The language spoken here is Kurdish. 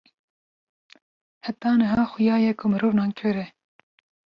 heta niha xuya ye ku mirov nankor e